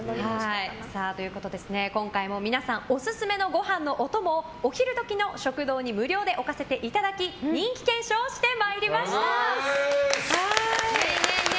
ということで今回も皆さんオススメのご飯のお供をお昼時の食堂に無料で置かせていただき人気検証をしてまいりました！